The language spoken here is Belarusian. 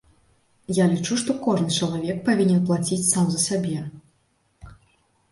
Я лічу, што кожны чалавек павінен плаціць сам за сябе.